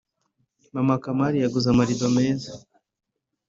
maman kamari yaguze amarido meza